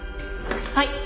はい。